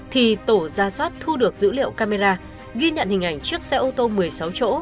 thì tổ ra soát thu được dữ liệu camera ghi nhận hình ảnh chiếc xe ô tô một mươi sáu chỗ